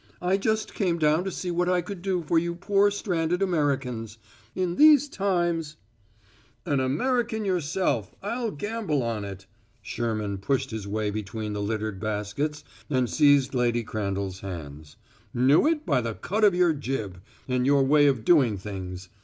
"I just came down to see what I could do for you poor stranded Americans. In these times " "An American yourself, I'll gamble on it!" Sherman pushed his way between the littered baskets and seized Lady Crandall's hands. "Knew it by the cut of your jib and your way of doing things.